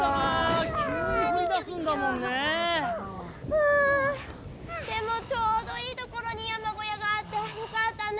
うんでもちょうどいいところにやまごやがあってよかったね。